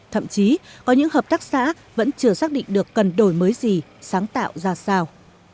thậm chí có những hợp tác xã vẫn chưa xác định được cần đổi mới gì sáng tạo ra sao